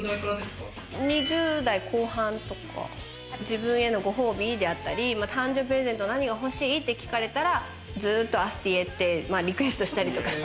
２０代後半とか、自分へのご褒美であったり、誕生日プレゼント何が欲しい？って聞かれたらとアスティエってリクエストしたりとか。